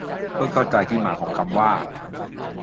เพิ่งเข้าใจที่มาของคำว่า